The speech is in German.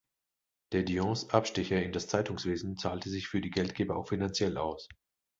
De Dions Abstecher in das Zeitungswesen zahlte sich für die Geldgeber auch finanziell aus.